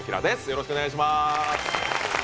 よろしくお願いします。